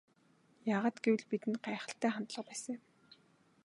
Яагаад гэвэл бидэнд гайхалтай хандлага байсан юм.